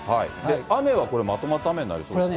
雨はこれ、まとまった雨になりそうですか。